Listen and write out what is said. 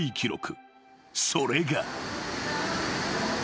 それが］